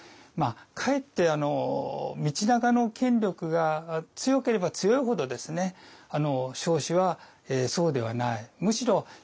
かえって道長の権力が強ければ強いほど彰子はそうではない。